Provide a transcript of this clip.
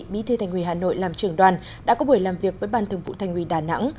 bí thư thành ủy hà nội làm trưởng đoàn đã có buổi làm việc với ban thường vụ thành ủy đà nẵng